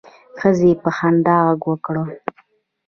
ښځې په خندا غږ وکړ.